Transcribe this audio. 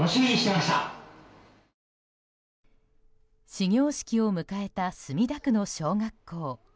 始業式を迎えた墨田区の小学校。